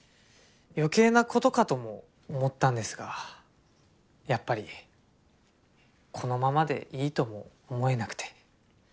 余計な事かとも思ったんですがやっぱりこのままでいいとも思えなくて。